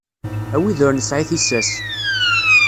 A wid ur nesɛi tissas.